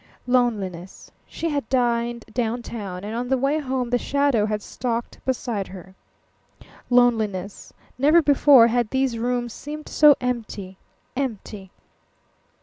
Loneliness. She had dined downtown, and on the way home the shadow had stalked beside her. Loneliness. Never before had these rooms seemed so empty, empty.